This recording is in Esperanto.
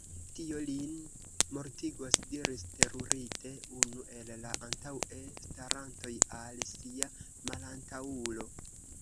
Tio lin mortigos, diris terurite unu el la antaŭe starantoj al sia malantaŭulo.